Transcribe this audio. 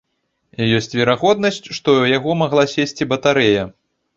Ёсць верагоднасць, што ў яго магла сесці батарэя.